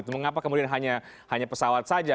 mengapa kemudian hanya pesawat saja